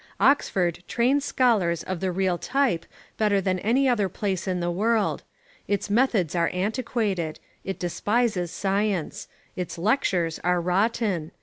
Oxford trains scholars of the real type better than any other place in the world. Its methods are antiquated. It despises science. Its lectures are rotten.